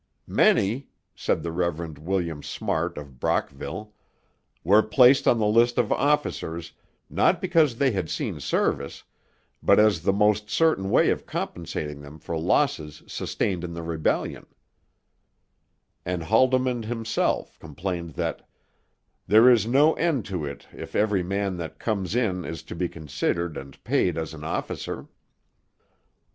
'Many,' said the Rev. William Smart of Brockville, 'were placed on the list of officers, not because they had seen service, but as the most certain way of compensating them for losses sustained in the Rebellion'; and Haldimand himself complained that 'there is no end to it if every man that comes in is to be considered and paid as an officer.'